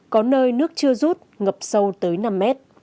có nơi nước chưa rút ngập sâu tới năm mét